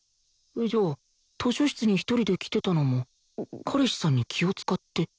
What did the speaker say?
じゃあ図書室に１人で来てたのも彼氏さんに気を使って